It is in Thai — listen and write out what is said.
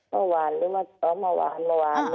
มาวานหรือว่าต้องมาวานมาวาน